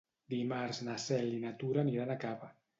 Dimarts na Cel i na Tura aniran a Cava.